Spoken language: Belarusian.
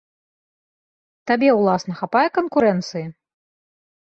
Табе, уласна, хапае канкурэнцыі?